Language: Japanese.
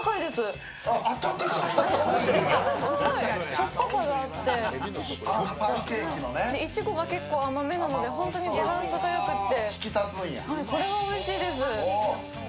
しょっぱさがあっていちごが結構甘めなのでバランスがよくて。